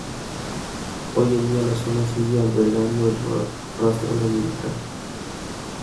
Hoy en día la zona sigue albergando el rastro dominical.